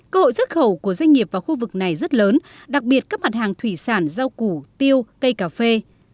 cơ hội xuất khẩu của doanh nghiệp vào khu vực này rất lớn đặc biệt các mặt hàng thủy sản rau củ tiêu cây cà phê